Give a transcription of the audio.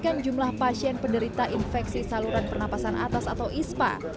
menekan jumlah pasien penderita infeksi saluran pernapasan atas atau ispa